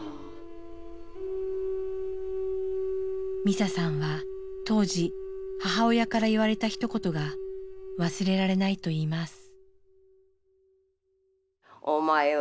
ミサさんは当時母親から言われた一言が忘れられないといいます。